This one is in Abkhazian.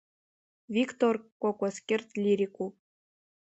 Виктор Кәакәасқьыр длирикуп.